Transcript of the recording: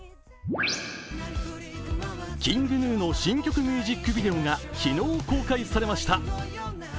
ＫｉｎｇＧｎｕの新曲ミュージックビデオが昨日公開されました。